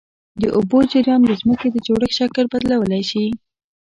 د اوبو جریان د ځمکې د جوړښت شکل بدلولی شي.